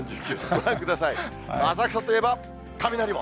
ご覧ください、浅草といえば、雷門。